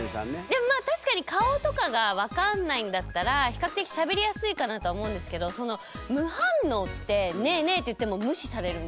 でもまあ確かに顔とかが分かんないんだったら比較的しゃべりやすいかなと思うんですけどその無反応って「ねぇねぇ」って言っても無視されるんですよね？